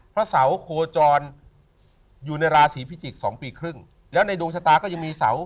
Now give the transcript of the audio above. พระเสาโคจรอยู่ในราศีพิจิกษ์๒ปีครึ่งแล้วในดวงชะตาก็ยังมีเสา